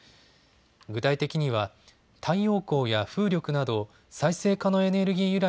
具体的には太陽光や風力など再生可能エネルギー